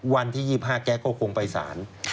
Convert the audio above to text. วันที่๒๕แกก็คงไปศาล